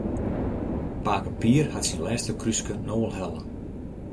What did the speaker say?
Pake Pier hat syn lêste krúske no wol helle.